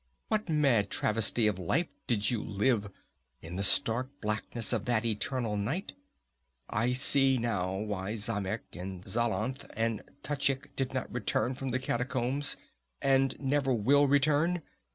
What mad travesty of life did you live, in the stark blackness of that eternal night? I see now why Xamec and Zlanath and Tachic did not return from the catacombs and never will return.